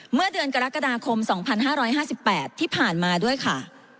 เมื่อเดือนกรกฎาคม๒๕๕๘ที่ผ่านมาด้วยค่ะ